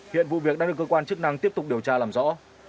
hiện vụ việc đang được cơ quan chức năng tiếp tục điều tra làm rõ